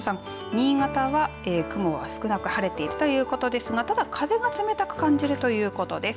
新潟は雲は少なく晴れているということですがただ風が冷たく感じるということです。